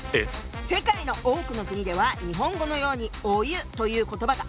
世界の多くの国では日本語のようにお湯という言葉がありません。